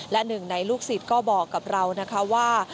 และหนึ่งในลูกศิษย์ก็บอกกับเรานะคะว่า